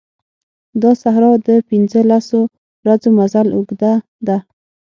دا صحرا د پنځه لسو ورځو مزل اوږده ده.